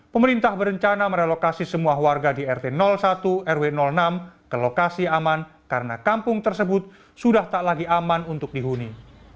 pemerintah berencana merelokasi semua warga di rt satu rw enam ke lokasi aman karena kampung tersebut sudah tak lagi aman untuk dihuni